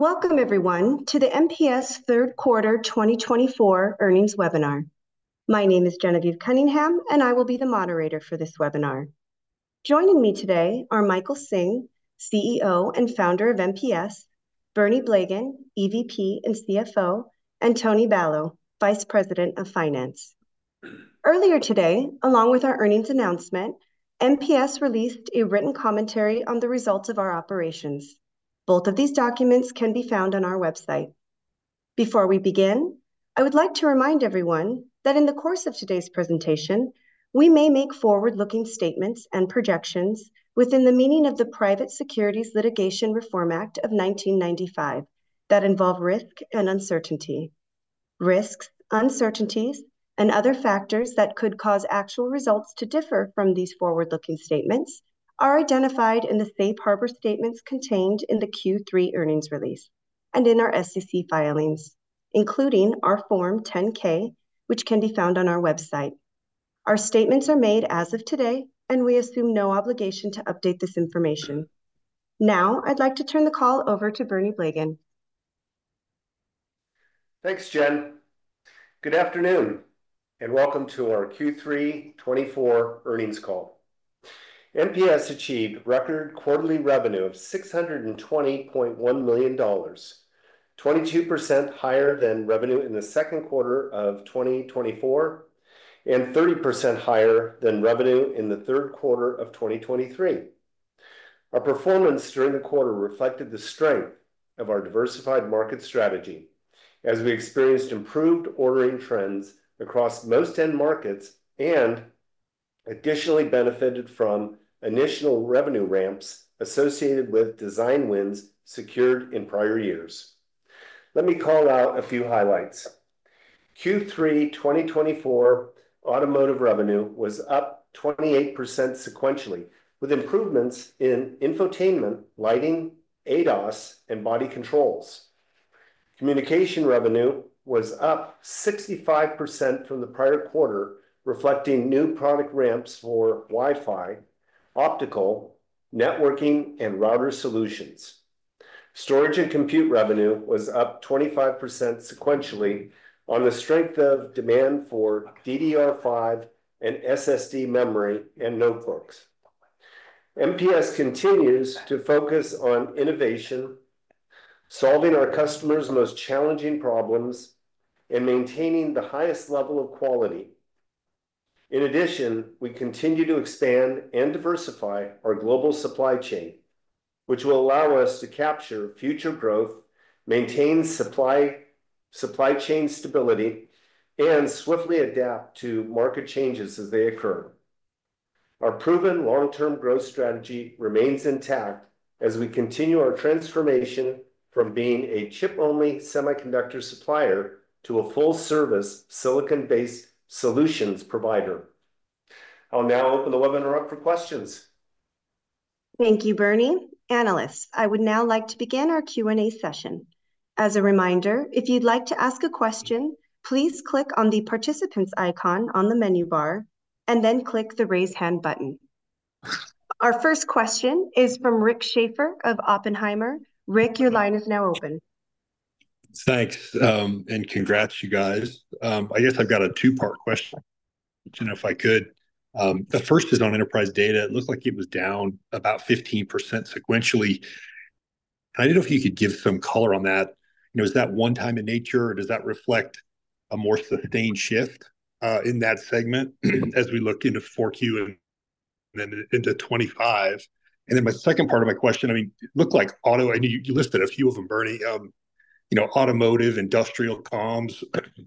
Welcome, everyone, to the MPS Q3 2024 Earnings Webinar. My name is Genevieve Cunningham, and I will be the moderator for this webinar. Joining me today are Michael Hsing, CEO and founder of MPS, Bernie Blegen, EVP and CFO, and Tony Balow, Vice President of Finance. Earlier today, along with our earnings announcement, MPS released a written commentary on the results of our operations. Both of these documents can be found on our website. Before we begin, I would like to remind everyone that in the course of today's presentation, we may make forward-looking statements and projections within the meaning of the Private Securities Litigation Reform Act of 1995 that involve risk and uncertainty. Risks, uncertainties, and other factors that could cause actual results to differ from these forward-looking statements are identified in the Safe Harbor Statements contained in the Q3 earnings release and in our SEC filings, including our Form 10-K, which can be found on our website. Our statements are made as of today, and we assume no obligation to update this information. Now, I'd like to turn the call over to Bernie Blegen. Thanks, Jen. Good afternoon, and welcome to our Q3 2024 earnings call. MPS achieved record quarterly revenue of $620.1 million, 22% higher than revenue in the Q2 of 2024 and 30% higher than revenue in the Q3 of 2023. Our performance during the quarter reflected the strength of our diversified market strategy, as we experienced improved ordering trends across most end markets and additionally benefited from additional revenue ramps associated with design wins secured in prior years. Let me call out a few highlights. Q3 2024 automotive revenue was up 28% sequentially, with improvements in infotainment, lighting, ADAS, and body controls. Communication revenue was up 65% from the prior quarter, reflecting new product ramps for Wi-Fi, optical, networking, and router solutions. Storage and compute revenue was up 25% sequentially on the strength of demand for DDR5 and SSD memory and notebooks. MPS continues to focus on innovation, solving our customers' most challenging problems and maintaining the highest level of quality. In addition, we continue to expand and diversify our global supply chain, which will allow us to capture future growth, maintain supply chain stability, and swiftly adapt to market changes as they occur. Our proven long-term growth strategy remains intact as we continue our transformation from being a chip-only semiconductor supplier to a full-service silicon-based solutions provider. I'll now open the webinar up for questions. Thank you, Bernie. Panelists, I would now like to begin our Q&A session. As a reminder, if you'd like to ask a question, please click on the participants icon on the menu bar and then click the raise hand button. Our first question is from Rick Schafer of Oppenheimer. Rick, your line is now open. Thanks, and congrats to you guys. I've got a two-part question, Jennifer. If I could. The first is on enterprise data. It looks like it was down about 15% sequentially. I don't know if you could give some color on that. You know, is that one-time in nature, or does that reflect a more sustained shift in that segment as we look into 2024 and then into 2025? And then my second part of my question, it looked like auto, you listed a few of them, Bernie. You know, automotive, industrial, comms,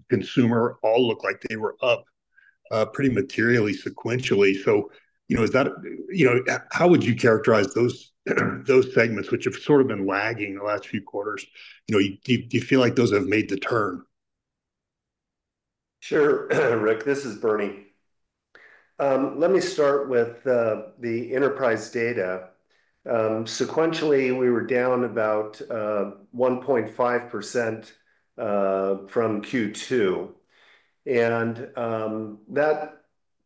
consumer, all look like they were up pretty materially sequentially. So, you know, is that, you know, how would you characterize those segments, which have sort of been lagging the last few quarters? You know, do you feel like those have made the turn? Sure, Rick. This is Bernie. Let me start with the enterprise data. Sequentially, we were down about 1.5% from Q2. And that,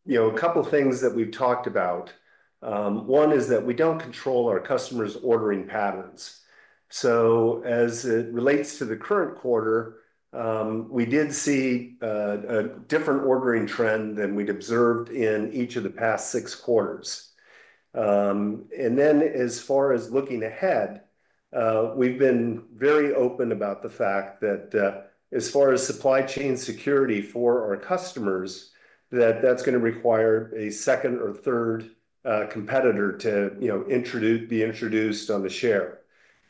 you know, a couple of things that we've talked about. One is that we don't control our customers' ordering patterns. So, as it relates to the current quarter, we did see a different ordering trend than we'd observed in each of the past six quarters. And then, as far as looking ahead, we've been very open about the fact that, as far as supply chain security for our customers, that that's going to require a second or third competitor to, you know, be introduced on the share.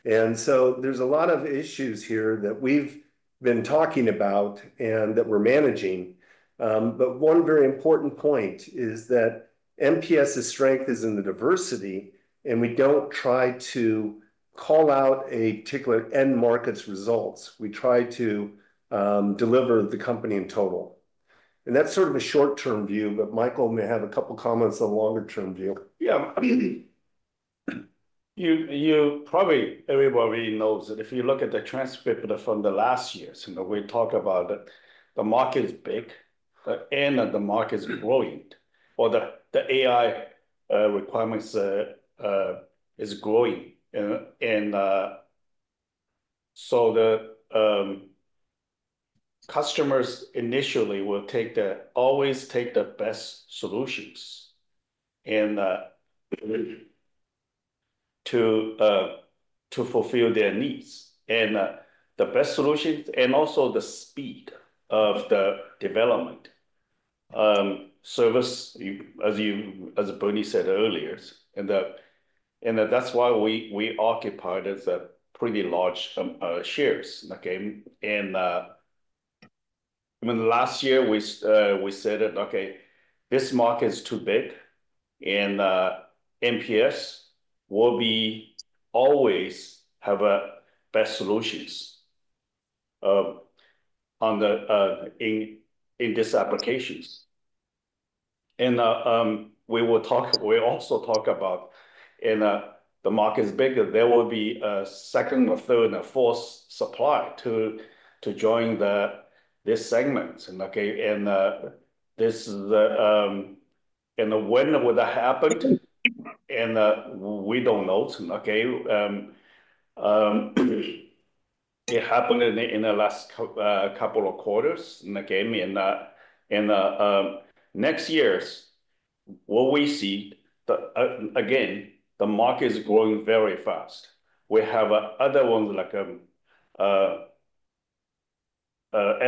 And so there's a lot of issues here that we've been talking about and that we're managing. But one very important point is that MPS's strength is in the diversity, and we don't try to call out a particular end market's results. We try to deliver the company in total. And that's sort of a short-term view, but Michael may have a couple of comments on the longer-term view. Probably everybody knows that if you look at the transcript from the last years, you know, we talk about the market is big, and the market is growing, or the AI requirements is growing, and so the customers initially will always take the best solutions to fulfill their needs and the best solutions and also the speed of the development service, as Bernie said earlier, and that's why we occupy a pretty large share. Okay, and last year, we said that, okay, this market is too big, and MPS will always have the best solutions in these applications, and we will talk, we also talk about, and the market is bigger, there will be a second, a third, and a fourth supplier to join this segment, and when will that happen, and we don't know. Okay. It happened in the last couple of quarters. Okay. Next year is what we see. Again, the market is growing very fast. We have other ones, like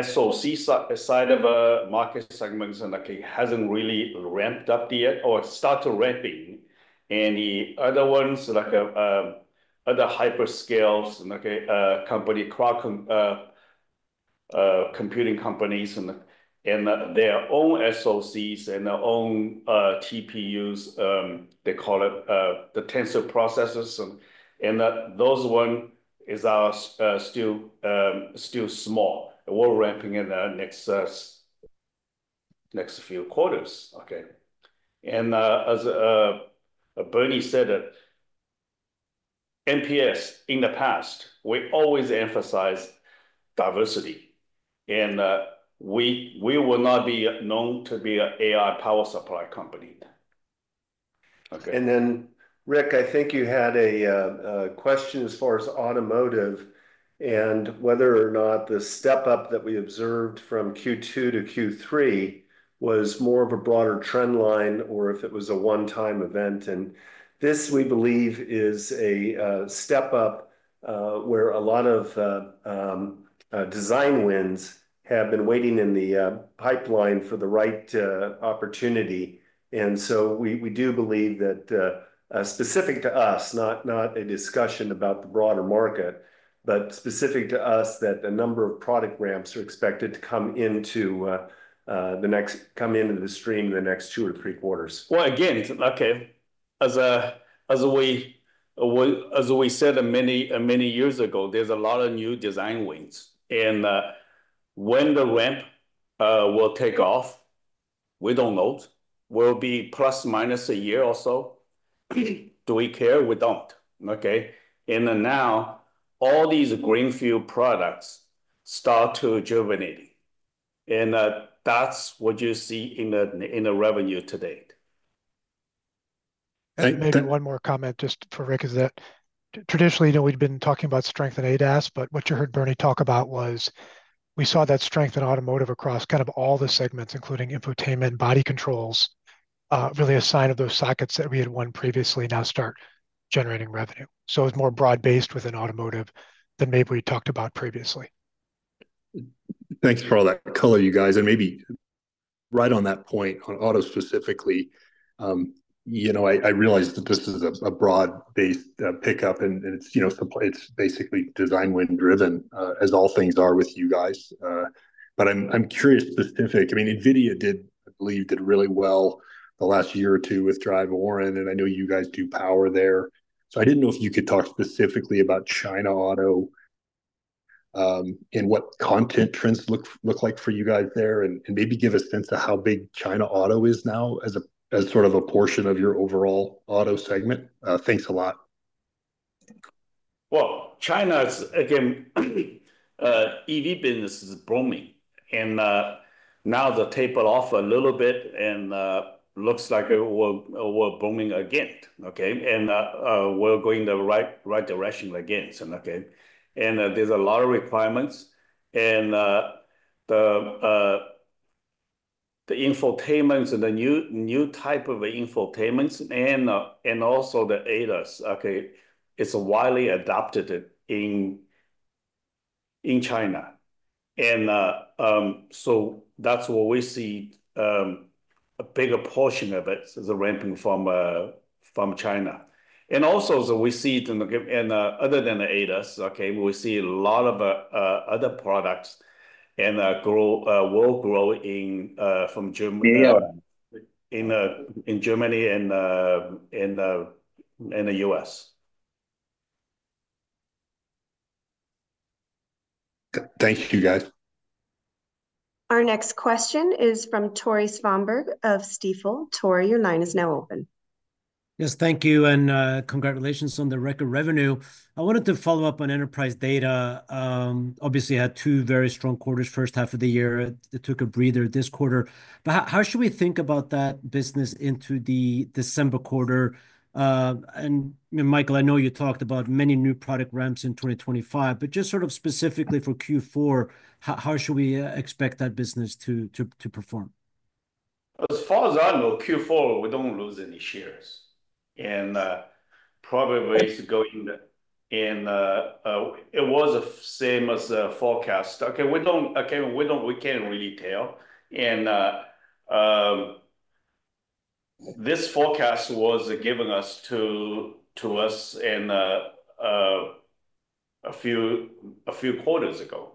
SoC side of the market segments, and it hasn't really ramped up yet or started ramping. The other ones, like other hyperscale companies, computing companies, and their own SoCs and their own TPUs, they call it the Tensor Processing Units. Those ones are still small. We're ramping in the next few quarters. Okay. As Bernie said, MPS in the past, we always emphasized diversity. We will not be known to be an AI power supply company. Okay. Then, Rick, I think you had a question as far as automotive and whether or not the step-up that we observed from Q2 to Q3 was more of a broader trend line or if it was a one-time event. This, we believe, is a step-up where a lot of design wins have been waiting in the pipeline for the right opportunity. So we do believe that specific to us, not a discussion about the broader market, but specific to us that a number of product ramps are expected to come into the stream in the next two or three quarters. Well, again, okay, as we said many years ago, there's a lot of new design wins. And when the ramp will take off, we don't know. We'll be plus minus a year or so. Do we care? We don't. Okay. And now all these greenfield products start to germinate. And that's what you see in the revenue today. Maybe one more comment just for Rick is that traditionally, you know, we'd been talking about strength in ADAS, but what you heard Bernie talk about was we saw that strength in automotive across kind of all the segments, including infotainment, body controls, really a sign of those sockets that we had won previously now start generating revenue. It was more broad-based within automotive than maybe we talked about previously. Thanks for all that color, you guys, and maybe right on that point on auto specifically, you know, I realize that this is a broad-based pickup, and it's basically design win-driven, as all things are with you guys, but I'm curious, specifically. NVIDIA, I believe, did really well the last year or two with DRIVE Orin, and I know you guys do power there, so I didn't know if you could talk specifically about China auto and what content trends look like for you guys there, and maybe give a sense of how big China auto is now as sort of a portion of your overall auto segment. Thanks a lot. China, again, EV business is booming. And now the taper off a little bit, and it looks like we're booming again. Okay. And we're going the right direction again. And there's a lot of requirements. And the infotainment and the new type of infotainment and also the ADAS, okay, it's widely adopted in China. And so that's what we see a bigger portion of it is ramping from China. And also we see it, and other than the ADAS, okay, we see a lot of other products and will grow from Germany and the U.S. Thank you, guys. Our next question is from Tore Svanberg of Stifel. Tore, your line is now open. Yes, thank you. And congratulations on the record revenue. I wanted to follow up on enterprise data. Obviously, you had two very strong quarters, H1 of the year. It took a breather this quarter. But how should we think about that business into the December quarter? And Michael, I know you talked about many new product ramps in 2025, but just sort of specifically for Q4, how should we expect that business to perform? As far as I know, Q4, we don't lose any shares. And probably going in, it was the same as forecast. Okay. We don't. Okay, we can't really tell. And this forecast was given to us a few quarters ago.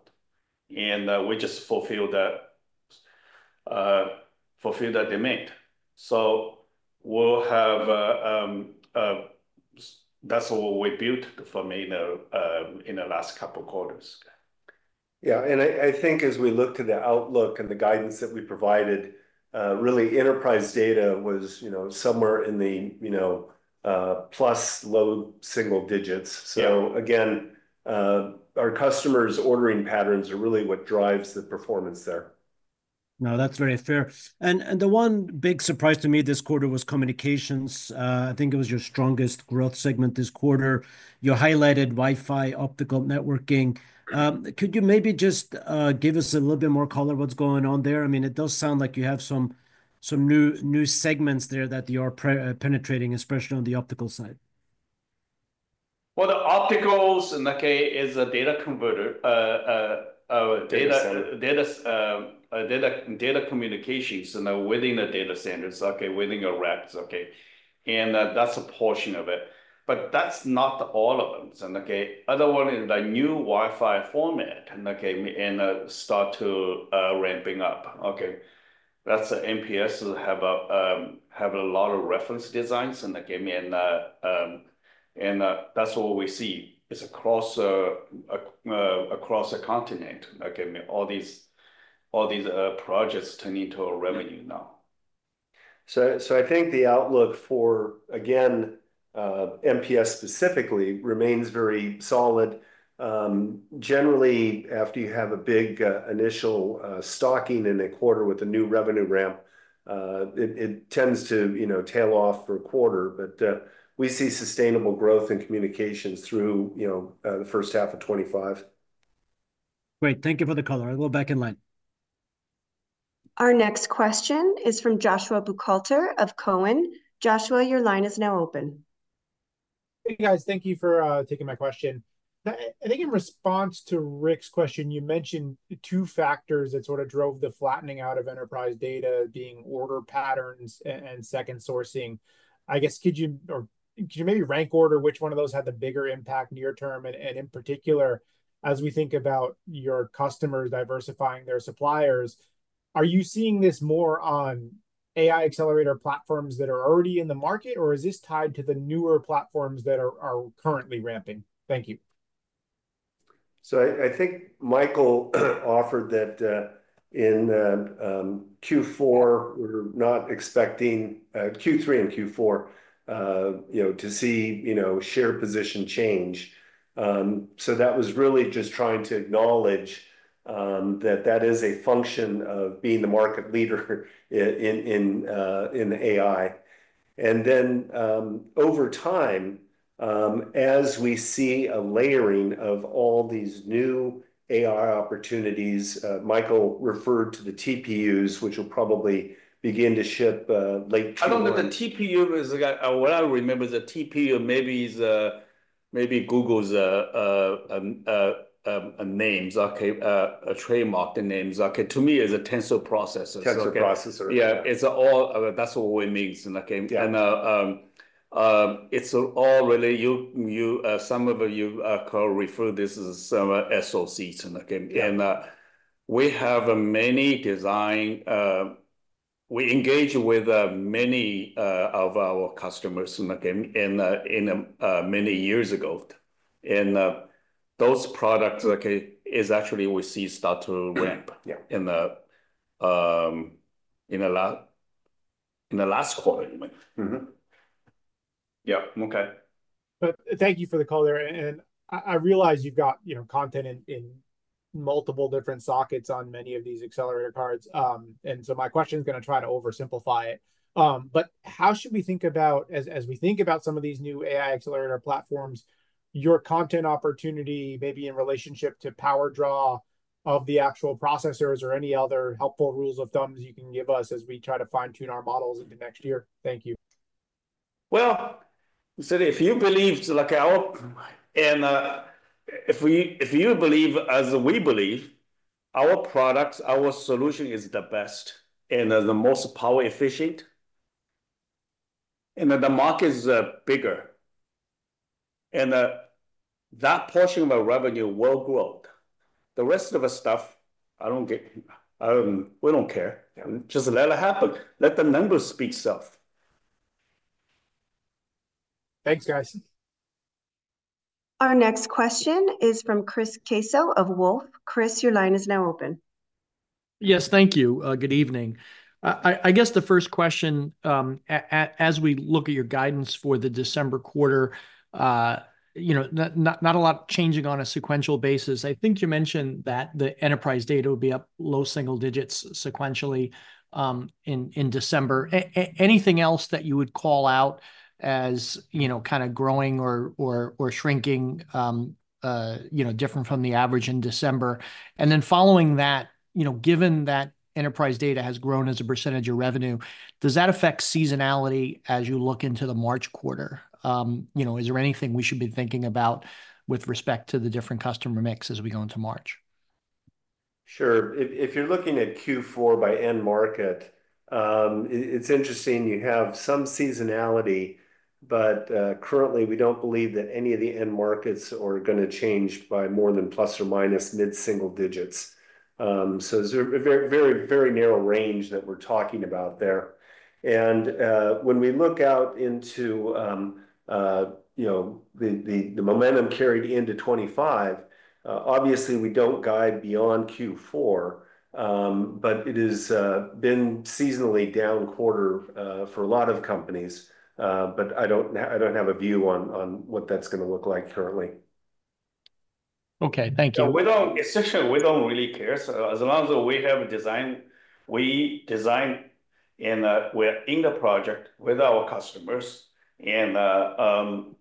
And we just fulfilled that demand. So we'll have. That's what we built for me in the last couple of quarters. And as we look to the outlook and the guidance that we provided, really, enterprise data was somewhere in the plus low single digits. So again, our customers' ordering patterns are really what drives the performance there. No, that's very fair, and the one big surprise to me this quarter was communications. It was your strongest growth segment this quarter. You highlighted Wi-Fi, optical networking. Could you maybe just give us a little bit more color on what's going on there? It does sound like you have some new segments there that you are penetrating, especially on the optical side. The opticals is a data converter, data communications within the data centers within your racks. And that's a portion of it. But that's not all of them. Other one is the new Wi-Fi format and start to ramping up. That's MPS have a lot of reference designs. And again, that's what we see is across a continent. All these projects turn into a revenue now. So I think the outlook for, again, MPS specifically remains very solid. Generally, after you have a big initial stocking in the quarter with a new revenue ramp, it tends to tail off for a quarter. But we see sustainable growth in communications through the H1 of 2025. Great. Thank you for the color. We'll be back in line. Our next question is from Joshua Buchalter of Cowen. Joshua, your line is now open. Hey, guys. Thank you for taking my question. I think in response to Rick's question, you mentioned two factors that sort of drove the flattening out of enterprise data center order patterns and second sourcing. Ccould you maybe rank order which one of those had the bigger impact near term? And in particular, as we think about your customers diversifying their suppliers, are you seeing this more on AI accelerator platforms that are already in the market, or is this tied to the newer platforms that are currently ramping? Thank you. So I think Michael offered that in Q4, we're not expecting Q3 and Q4 to see share position change. So that was really just trying to acknowledge that that is a function of being the market leader in AI. And then over time, as we see a layering of all these new AI opportunities, Michael referred to the TPUs, which will probably begin to ship late June. I don't know the TPU. What I remember is the TPU. Maybe it's Google's name, okay, a trademark name. Okay. To me, it's a Tensor Processor. Tensor Processor. That's what it means. And it's all really some of you refer to this as SoCs. And we have many design. We engage with many of our customers in many years ago. And those products, okay, is actually we see start to ramp in the last quarter. Okay. But thank you for the call there. And I realize you've got content in multiple different sockets on many of these accelerator cards. And so my question is going to try to oversimplify it. But how should we think about, as we think about some of these new AI accelerator platforms, your content opportunity maybe in relationship to power draw of the actual processors or any other helpful rules of thumb you can give us as we try to fine-tune our models into next year? Thank you. I said, if you believe like our—and if you believe as we believe, our products, our solution is the best and the most power efficient. The market is bigger. That portion of our revenue will grow. The rest of the stuff, I don't get. We don't care. Just let it happen. Let the numbers speak self. Thanks, guys. Our next question is from Chris Caso of Wolfe. Chris, your line is now open. Yes, thank you. Good evening. The first question, as we look at your guidance for the December quarter, not a lot changing on a sequential basis. I think you mentioned that the enterprise data would be up low single digits sequentially in December. Anything else that you would call out as kind of growing or shrinking different from the average in December? And then following that, given that enterprise data has grown as a percentage of revenue, does that affect seasonality as you look into the March quarter? Is there anything we should be thinking about with respect to the different customer mix as we go into March? Sure. If you're looking at Q4 by end market, it's interesting. You have some seasonality, but currently, we don't believe that any of the end markets are going to change by more than plus or minus mid-single digits. So it's a very, very narrow range that we're talking about there. And when we look out into the momentum carried into 2025, obviously, we don't guide beyond Q4, but it has been seasonally down quarter for a lot of companies. But I don't have a view on what that's going to look like currently. Okay. Thank you. We don't really care. As long as we have a design, we design and we're in the project with our customers. And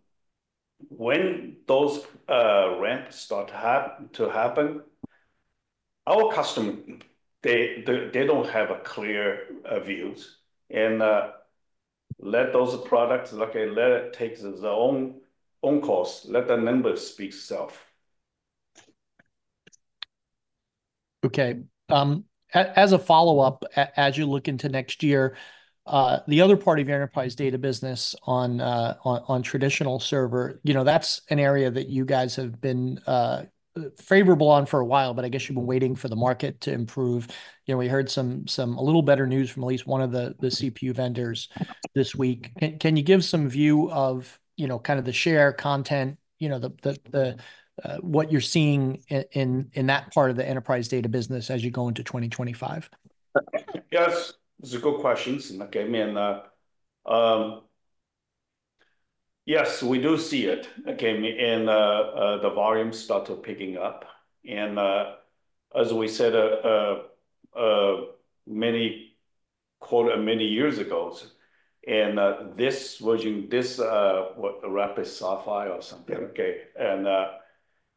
when those ramps start to happen, our customers, they don't have clear views. And let those products, okay, let it take its own course. Let the numbers speak self. Okay. As a follow-up, as you look into next year, the other part of your enterprise data business on traditional server, that's an area that you guys have been favorable on for a while, but you've been waiting for the market to improve. We heard some a little better news from at least one of the CPU vendors this week. Can you give some view of kind of the share content, what you're seeing in that part of the enterprise data business as you go into 2025? Yes. These are good questions. Yes, we do see it. And the volume started picking up. And as we said many years ago, and this version, Sapphire Rapids or something, and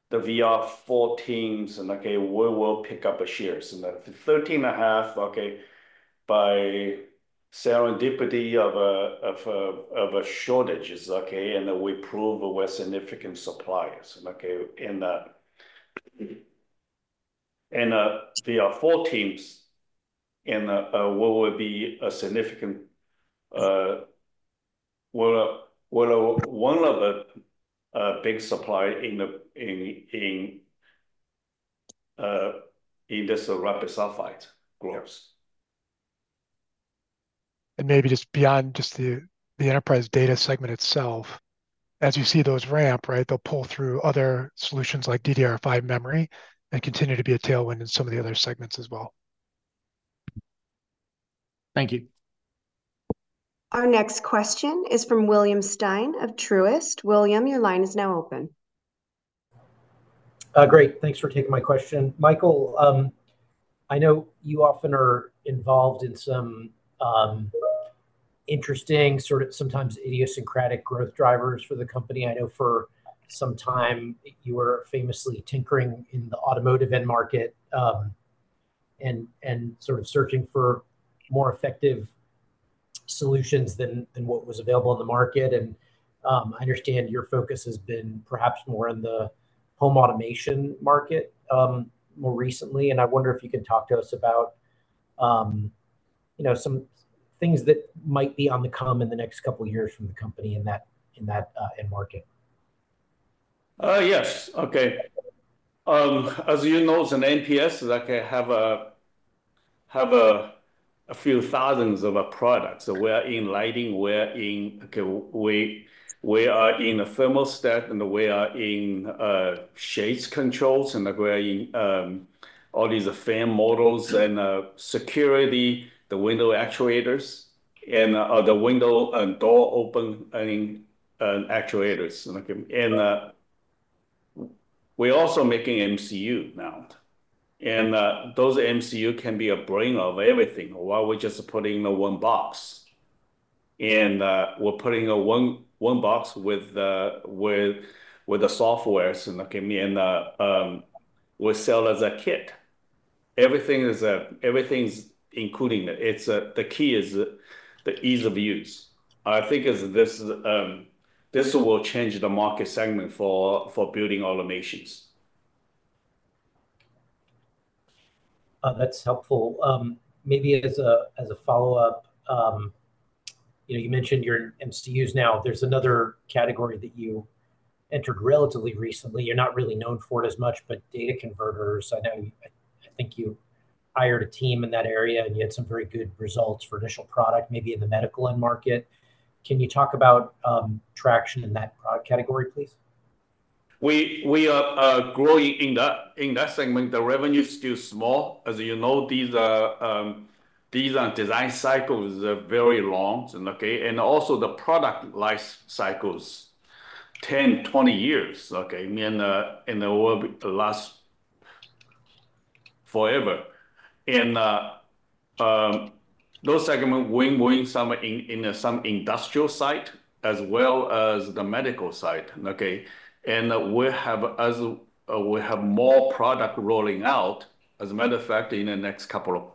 the VR14s, and we will pick up shares. And the 13.5, by serendipity of a shortage is okay. And we prove we're significant suppliers. And the 14s, and we will be a significant - well, one of the big suppliers in this Sapphire Rapids growth. Maybe just beyond just the enterprise data segment itself, as you see those ramp, right, they'll pull through other solutions like DDR5 memory and continue to be a tailwind in some of the other segments as well. Thank you. Our next question is from William Stein of Truist. William, your line is now open. Great. Thanks for taking my question. Michael, I know you often are involved in some interesting, sort of sometimes idiosyncratic growth drivers for the company. I know for some time you were famously tinkering in the automotive end market and sort of searching for more effective solutions than what was available in the market. And I understand your focus has been perhaps more in the home automation market more recently. And I wonder if you could talk to us about some things that might be on the come in the next couple of years from the company in that end market? Yes. Okay. As you know, as an MPS, I have a few thousands of products. We are in lighting. We are in a thermostats, and we are in shades controls, and we are in all these fan models and security, the window actuators, and the window and door opening actuators, and we're also making MCU now, and those MCUs can be a brain of everything while we're just putting in one box, and we're putting in one box with the software, and we sell as a kit. Everything is including it. The key is the ease of use. I think this will change the market segment for building automations. That's helpful. Maybe as a follow-up, you mentioned your MCUs now. There's another category that you entered relatively recently. You're not really known for it as much, but data converters. I think you hired a team in that area, and you had some very good results for initial product, maybe in the medical end market. Can you talk about traction in that product category, please? We are growing in that segment. The revenue is still small. As you know, these design cycles are very long and also, the product life cycles, 10, 20 years, okay, they last forever, and those segments win some in some industrial side as well as the medical side, and we have more product rolling out as a matter of fact in the next couple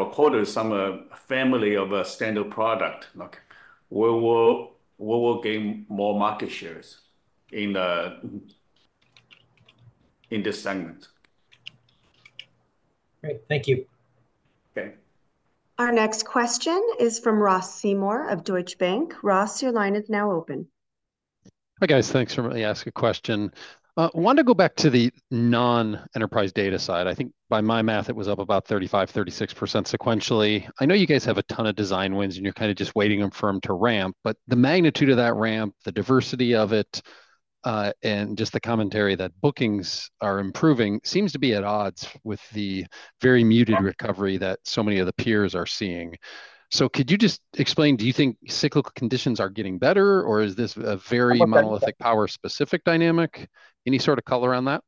of quarters, some family of a standard product. We will gain more market shares in this segment. Great. Thank you. Okay. Our next question is from Ross Seymour of Deutsche Bank. Ross, your line is now open. Hi, guys. Thanks for letting me ask a question. I want to go back to the non-enterprise data side. I think by my math, it was up about 35-36% sequentially. I know you guys have a ton of design wins, and you're kind of just waiting on firm to ramp. But the magnitude of that ramp, the diversity of it, and just the commentary that bookings are improving seems to be at odds with the very muted recovery that so many of the peers are seeing, so could you just explain, do you think cyclical conditions are getting better, or is this a very Monolithic Power-specific dynamic? Any sort of color on that?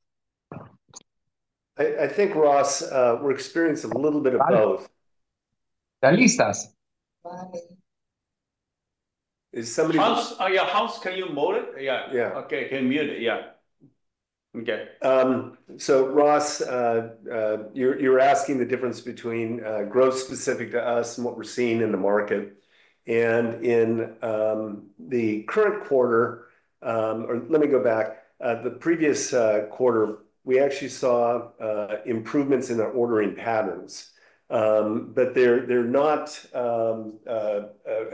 I think, Ross, we're experiencing a little bit of both. Thalita's. Is somebody? Hans, can you mute it? Yeah. Yeah. Okay. Can you mute it? Okay. So Ross, you're asking the difference between growth specific to us and what we're seeing in the market. And in the current quarter, or let me go back. The previous quarter, we actually saw improvements in our ordering patterns. But they're not a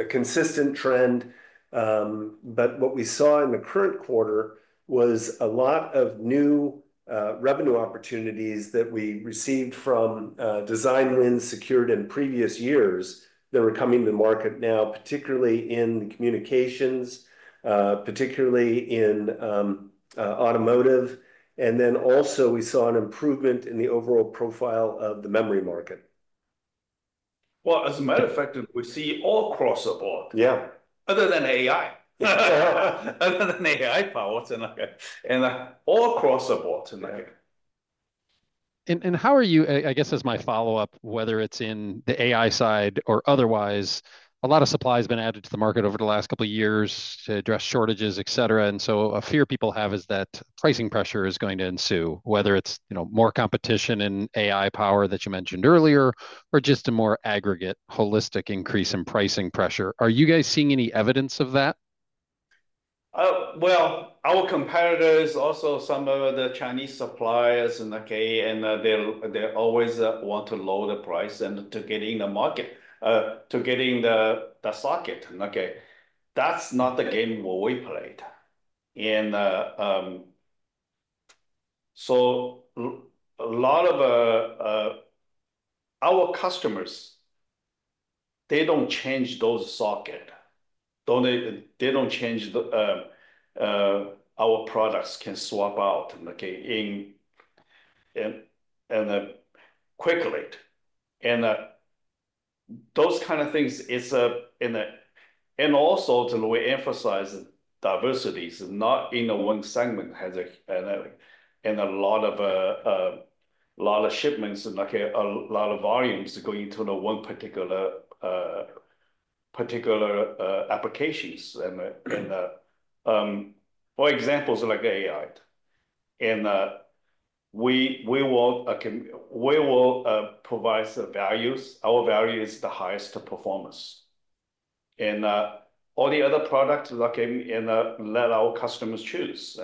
consistent trend. But what we saw in the current quarter was a lot of new revenue opportunities that we received from design wins secured in previous years that were coming to the market now, particularly in the communications, particularly in automotive. And then also, we saw an improvement in the overall profile of the memory market. Well, as a matter of fact, we see all across the board. Yeah. Other than AI, other than AI powers, and all across the board. And how are you, as my follow-up, whether it's in the AI side or otherwise, a lot of supply has been added to the market over the last couple of years to address shortages, etc. And so a fear people have is that pricing pressure is going to ensue, whether it's more competition in AI power that you mentioned earlier, or just a more aggregate holistic increase in pricing pressure. Are you guys seeing any evidence of that? Our competitors, also some of the Chinese suppliers, and they always want to lower the price and to get in the market, to get in the socket. Okay. That's not the game we played, and so a lot of our customers, they don't change those socket. They don't change our products can swap out quickly, and those kind of things. We also emphasize diversities, not in one segment, and a lot of shipments, a lot of volumes going to one particular applications. For example, like AI. We will provide values. Our value is the highest performance, and all the other products, okay, and let our customers choose.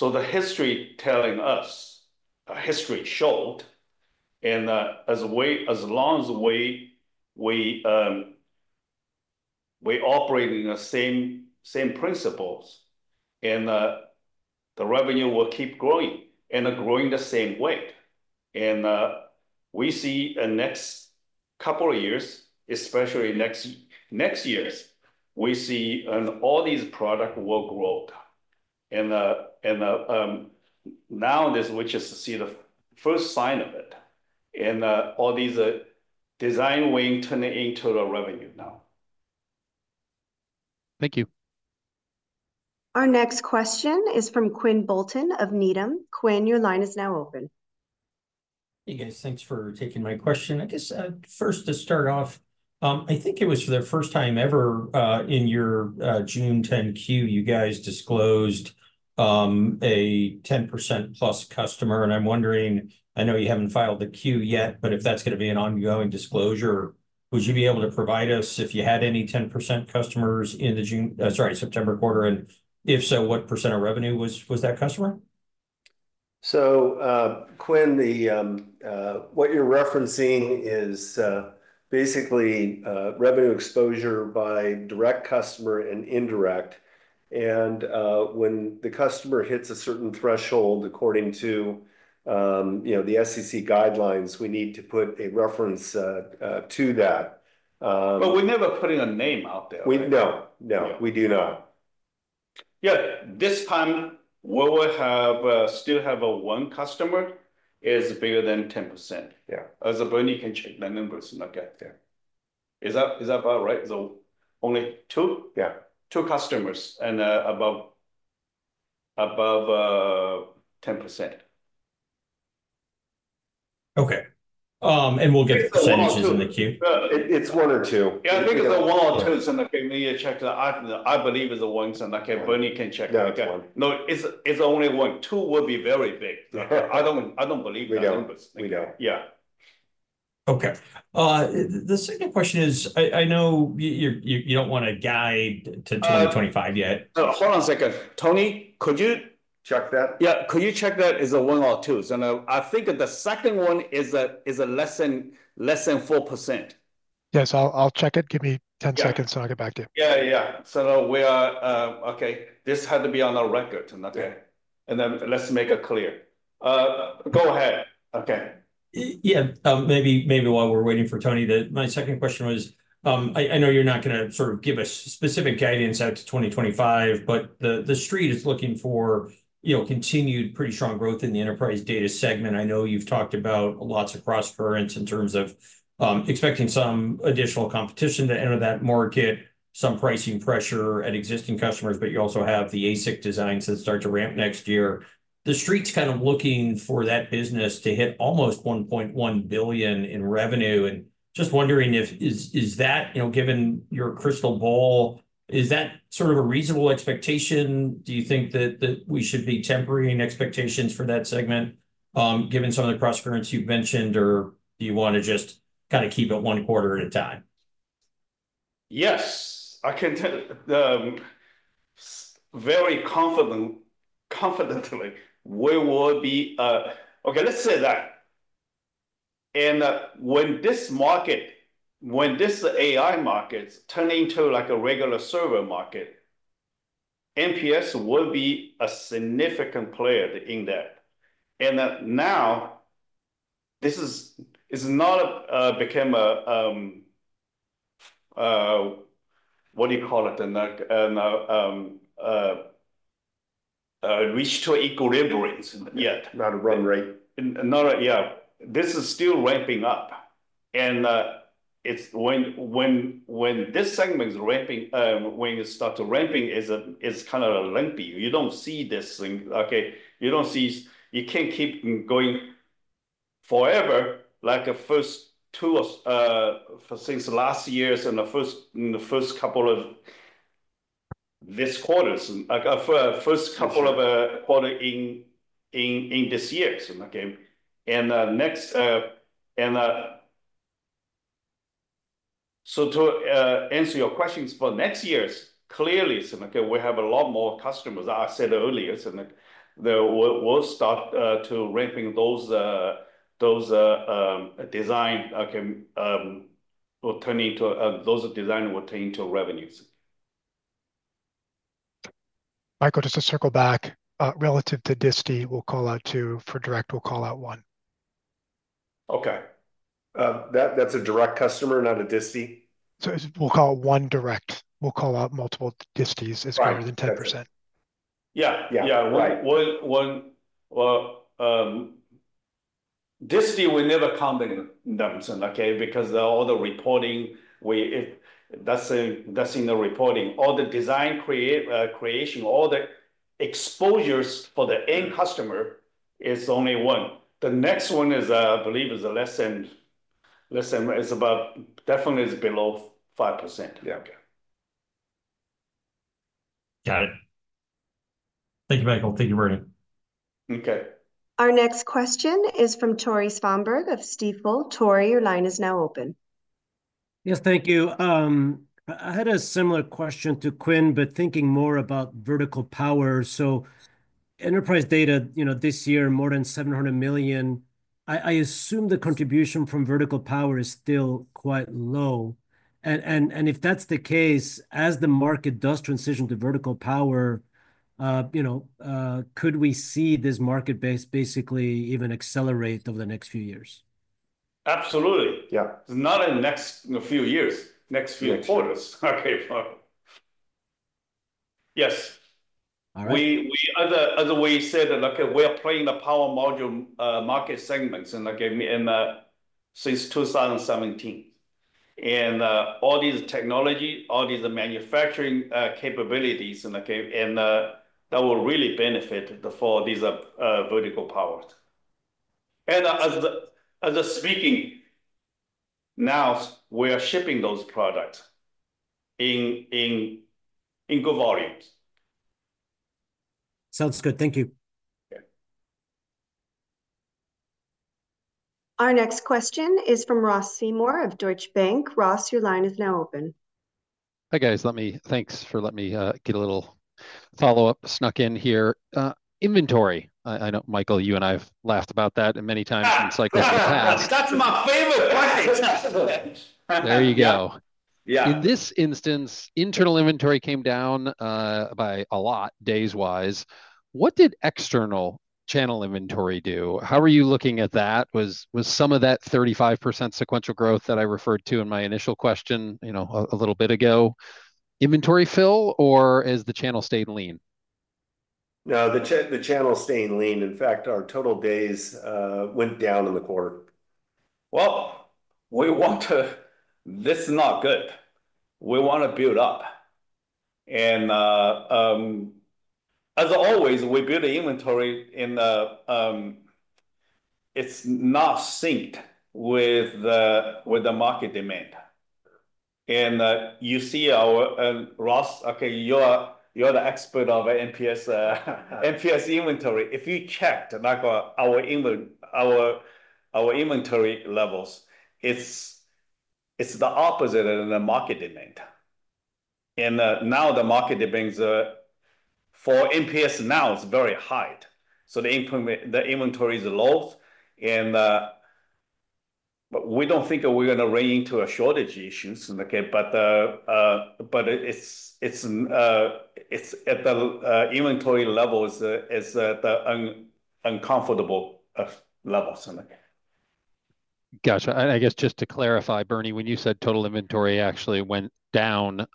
The history telling us, history showed. As long as we operate in the same principles, the revenue will keep growing and growing the same way. And we see in the next couple of years, especially next years, we see all these products will grow. And now, we just see the first sign of it. And all these design wins turn into revenue now. Thank you. Our next question is from Quinn Bolton of Needham. Quinn, your line is now open. Hey, guys. Thanks for taking my question. First to start off, I think it was for the first time ever in your June 10-Q, you guys disclosed a 10%+ customer. And I'm wondering, I know you haven't filed the 10-Q yet, but if that's going to be an ongoing disclosure, would you be able to provide us if you had any 10% customers in the June, sorry, September quarter? And if so, what % of revenue was that customer? So Quinn, what you're referencing is basically revenue exposure by direct customer and indirect. And when the customer hits a certain threshold, according to the SEC guidelines, we need to put a reference to that. But we're never putting a name out there. No. No. We do not. This time, we will still have one customer is bigger than 10%. As a bonus, you can check the numbers. Okay. Is that about right? So only two? Yeah. Two customers and above 10%. Okay, and we'll get the percentages in the queue. It's one or two. I think it's one or two. And maybe you check the. I believe it's the ones. Okay. Bernie can check. That one. No, it's only one. Two would be very big. I don't believe the numbers. We don't. Yeah. Okay. The second question is, I know you don't want to guide to 2025 yet. Hold on a second. Tony, could you check that? Could you check that? Is it one or two? So I think the second one is less than 4%. Yes. I'll check it. Give me 10 seconds, and I'll get back to you. So, okay. This had to be on our record, and then let's make it clear. Go ahead. Okay. Maybe while we're waiting for Tony, my second question was, I know you're not going to sort of give us specific guidance out to 2025, but the street is looking for continued pretty strong growth in the enterprise data segment. I know you've talked about lots of cross currents in terms of expecting some additional competition to enter that market, some pricing pressure at existing customers, but you also have the ASIC designs that start to ramp next year. The street's kind of looking for that business to hit almost $1.1 billion in revenue. And just wondering if is that, given your crystal ball, is that sort of a reasonable expectation? Do you think that we should be tempering expectations for that segment, given some of the cross currents you've mentioned, or do you want to just kind of keep it one quarter at a time? Yes. I can tell very confidently we will be okay. Let's say that. And when this market, when this AI markets turn into a regular server market, MPS will be a significant player in that. And now, this is not become a what do you call it? Reach to equilibrium. Not a run rate. This is still ramping up. And when this segment is ramping, when it starts ramping, it's kind of lumpy. You don't see this thing. Okay. You can't keep going forever like the first two since last year's and the first couple of this quarter's, first couple of quarters in this year. And so to answer your questions for next year's, clearly, we have a lot more customers, as I said earlier. We'll start to ramping those design will turn into those design will turn into revenues. Michael, just to circle back relative to DISTI, we'll call out two for direct, we'll call out one. Okay. That's a direct customer, not a DISTI? So we'll call out one direct. We'll call out multiple DISTIs as higher than 10%. One DISTI, we never combined them. Okay. Because all the reporting, that's in the reporting. All the design creation, all the exposures for the end customer is only one. The next one is, I believe, less than, definitely below 5%. Yeah. Got it. Thank you, Michael. Thank you, Bernie. Okay. Our next question is from Tore Svanberg of Stifel. Tore, your line is now open. Yes. Thank you. I had a similar question to Quinn, but thinking more about vertical power. So enterprise data this year, more than $700 million. I assume the contribution from vertical power is still quite low. And if that's the case, as the market does transition to vertical power, could we see this market base basically even accelerate over the next few years? Absolutely. Yeah. Not in the next few years. Next few quarters. Okay. Yes. In other words, we are playing the power module market segments since 2017. And all these technologies, all these manufacturing capabilities, and that will really benefit for these vertical powers. And as we speak, now we are shipping those products in good volumes. Sounds good. Thank you. Our next question is from Ross Seymour of Deutsche Bank. Ross, your line is now open. Hey, guys. Thanks for letting me get a little follow-up snuck in here. Inventory. I know, Michael, you and I have laughed about that many times since cycles have passed. That's my favorite question. There you go. In this instance, internal inventory came down by a lot, days-wise. What did external channel inventory do? How are you looking at that? Was some of that 35% sequential growth that I referred to in my initial question a little bit ago inventory fill, or has the channel stayed lean? No, the channel stayed lean. In fact, our total days went down in the quarter. We want to build up, and as always, we build the inventory, and it's not synced with the market demand. You see, our Ross, okay, you're the expert of MPS inventory. If you checked our inventory levels, it's the opposite of the market demand. Now the market demand for MPS is very high, so the inventory is low, and we don't think we're going to run into a shortage issue. But the inventory level is at the uncomfortable level. Gotcha. And just to clarify, Bernie, when you said total inventory actually went down,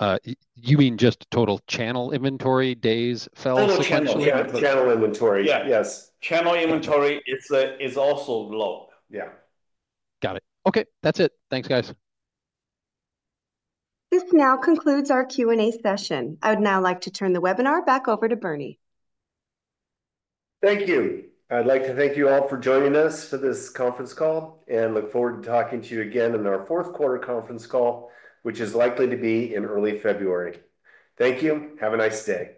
you mean just total channel inventory days fell? Total channel inventory. Yes. Channel inventory is also low. Got it. Okay. That's it. Thanks, guys. This now concludes our Q&A session. I would now like to turn the webinar back over to Bernie. Thank you. I'd like to thank you all for joining us for this conference call and look forward to talking to you again in our Q4 conference call, which is likely to be in early February. Thank you. Have a nice day.